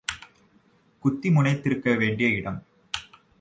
குத்தி முனைத்திருக்க வேண்டிய இடம்.